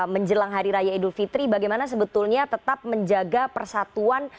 menjelang hari raya idul fitri bagaimana sebetulnya tetap menjaga persatuan